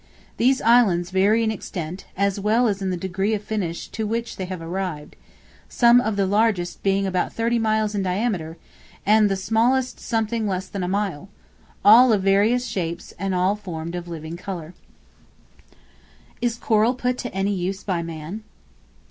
These islands vary in extent, as well as in the degree of finish to which they have arrived; some of the largest being about 30 miles in diameter, and the smallest something less than a mile; all of various shapes, and all formed of living coral. Diameter, a straight line through the middle of a circle. Is Coral put to any use by man?